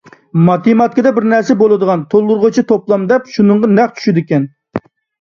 ماتېماتىكىدا بىر نەرسە بولىدىغان تولدۇرغۇچى توپلام دەپ، شۇنىڭغا نەق چۈشىدىكەن.